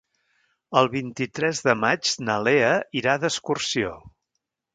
El vint-i-tres de maig na Lea irà d'excursió.